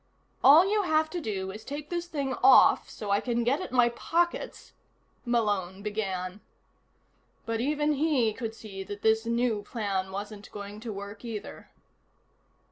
"All you have to do is take this thing off so I can get at my pockets " Malone began. But even he could see that this new plan wasn't going to work, either.